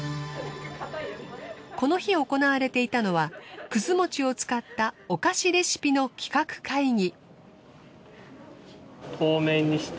この日行われていたのは葛餅を使ったお菓子レシピの企画会議。